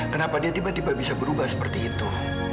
kenapa dia tiba tiba bisa berubah seperti itu